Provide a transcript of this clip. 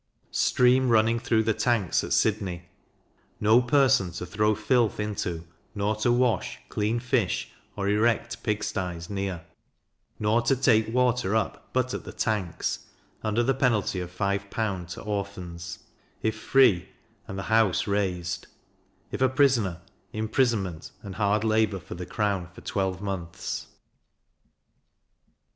Stream running through the Tanks at Sydney no person to throw filth into, nor to wash, clean fish, or erect pigsties near; nor to take water up but at the tanks; under the penalty of 5L. to Orphans, if free, and the house razed; if a prisoner, imprisonment, and hard labour for the crown for twelve months.